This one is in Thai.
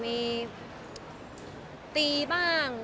มีตีบ้าง